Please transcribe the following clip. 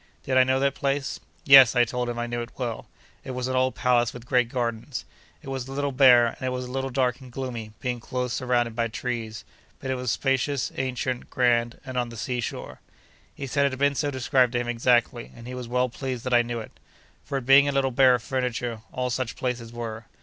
Did I know that place? Yes; I told him I knew it well. It was an old palace with great gardens. It was a little bare, and it was a little dark and gloomy, being close surrounded by trees; but it was spacious, ancient, grand, and on the seashore. He said it had been so described to him exactly, and he was well pleased that I knew it. For its being a little bare of furniture, all such places were.